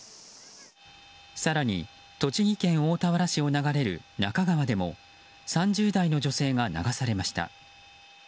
更に栃木県大田原市を流れる那珂川でも３０代の女性が流されました。